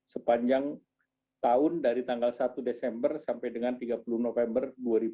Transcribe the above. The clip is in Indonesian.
sepanjang tahun dari tanggal satu desember sampai dengan tiga puluh november dua ribu dua puluh